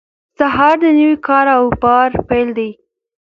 سهار د نوي کار او بار پیل دی.